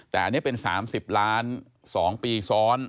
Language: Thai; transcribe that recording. แต่อันนี้เป็น๓๐ล้าน๒ปีซ้อน